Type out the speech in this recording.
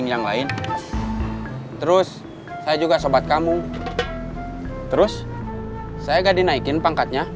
yang kesukaan di kathy